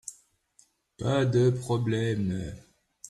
Pas de problème.